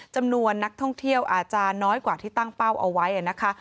จำนวนนักท่องเที่ยวอาจจะน้อยกว่าที่ตั้งเป้าเอาไว้นะคะ